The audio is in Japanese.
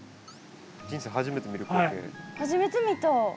人生初めて見る光景。